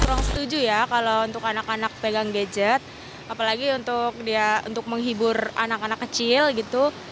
kurang setuju ya kalau untuk anak anak pegang gadget apalagi untuk dia untuk menghibur anak anak kecil gitu